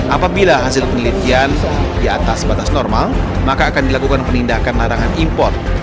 apabila hasil penelitian di atas batas normal maka akan dilakukan penindakan larangan impor